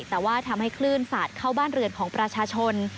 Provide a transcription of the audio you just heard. แต่ว่าทำให้คลื่นสาดเข้าบ้านเรือนของประชาชน